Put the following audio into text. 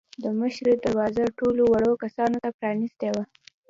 د مشرۍ دروازه ټولو وړو کسانو ته پرانیستې وه.